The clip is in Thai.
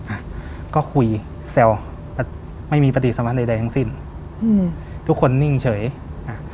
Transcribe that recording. อ่ะก็คุยแซวแต่ไม่มีปฏิสมานใดทั้งสิ้นอืมทุกคนนิ่งเฉยอ่ะ